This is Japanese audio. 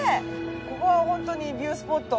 ここは本当にビュースポット。